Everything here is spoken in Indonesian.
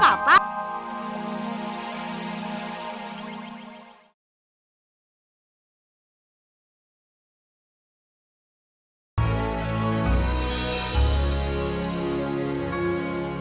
sampai jumpa lagi misalnya